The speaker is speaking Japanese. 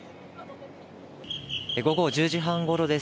午後１０時半ごろです。